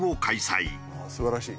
素晴らしい。